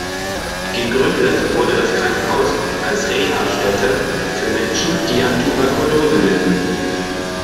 Gegründet wurde das Krankenhaus als Reha-Stätte für Menschen, die an Tuberkulose litten.